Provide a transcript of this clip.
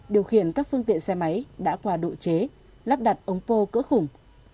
điều khiển các phương tiện xe máy đã qua độ chế lắp đặt ống pô cỡ khủng